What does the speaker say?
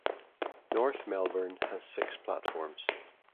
North Melbourne has six platforms.